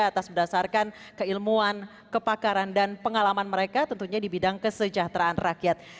atas berdasarkan keilmuan kepakaran dan pengalaman mereka tentunya di bidang kesejahteraan rakyat